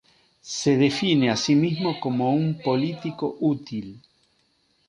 Se define a sí mismo como "un político útil".